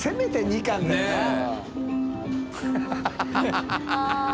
ハハハ